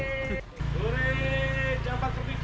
dore dapat kepiting